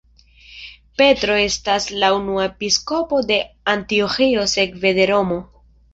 Petro estas la unua episkopo de Antioĥio sekve de Romo.